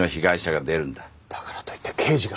だからといって刑事が。